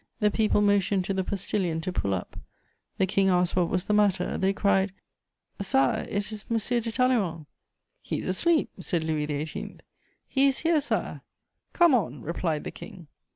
The people motioned to the postillion to pull up; the King asked what was the matter; they cried: "Sire, it is M. de Talleyrand." "He's asleep," said Louis XVIII. "He is here, Sire." "Come on!" replied the King.